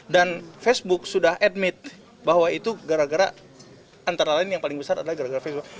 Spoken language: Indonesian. dan facebook sudah admit bahwa itu gara gara antara lain yang paling besar adalah gara gara facebook